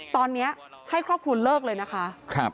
ตอนนี้ให้ครอบครัวเลิกเลยนะคะ